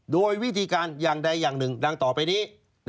โดยวิธีการอย่างใดอย่างหนึ่งดังต่อไปนี้